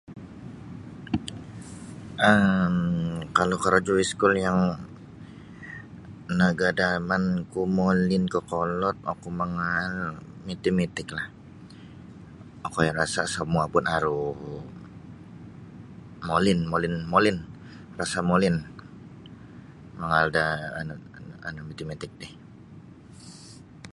um Kalau korojo iskul yang nagadamanku molin kokolod oku mangaal mitimitiklah okoi rasa samua pun aru molin molin molin rasa molin mangaal da um nu mitimitik ti.